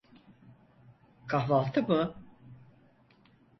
Kahvaltı mı?